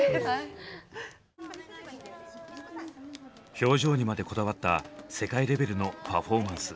表情にまでこだわった世界レベルのパフォーマンス。